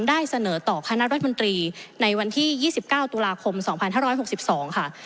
ได้เสนอต่อคณะรัฐมนตรีในวันที่๒๙ตุลาคม๒๕๖๒ค่ะ